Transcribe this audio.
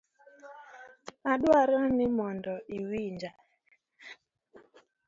Adwaro ni mondo iwinja.